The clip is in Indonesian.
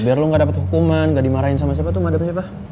biar lo gak dapet hukuman gak dimarahin sama siapa tuh gak dapet siapa